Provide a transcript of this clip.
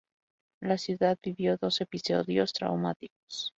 La ciudad vivió dos episodios traumáticos.